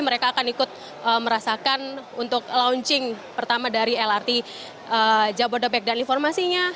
mereka akan ikut merasakan untuk launching pertama dari lrt jabodebek dan informasinya